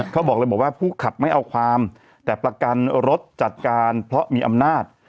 เขาบอกเลยบอกว่าผู้ขับไม่เอาความแต่ประกันรถจัดการเพราะมีอำนาจ